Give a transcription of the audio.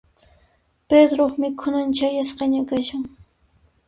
Pedroq mikhunan chayasqaña kashan.